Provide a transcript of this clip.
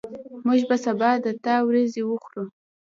موږ به سبا د تا وریځي وخورو